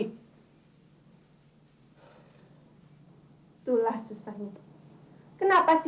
tidak bisa dibayangkan bagaimana malunya abah bertemu orang orang di sana nyi